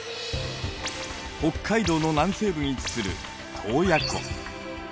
北海道の南西部に位置する洞爺湖。